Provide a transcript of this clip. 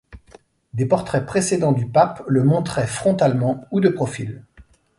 Des portraits précédents du pape le montraient frontalement, ou de profil.